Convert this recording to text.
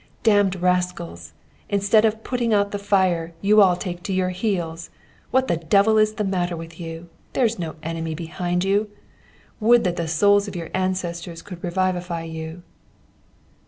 'Damned rascals! instead of putting out the fire, you all take to your heels. What the devil is the matter with you? There's no enemy behind you! Would that the souls of your ancestors could revivify you!'